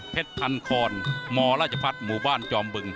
เพชรพันธุ์คอลมรพมจบึง